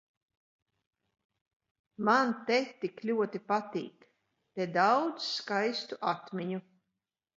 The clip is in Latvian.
Man te tik ļoti patīk. Te daudz skaistu atmiņu.